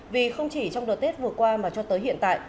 vì không chỉ trong đợt tết vừa qua mà cho tới hiện tại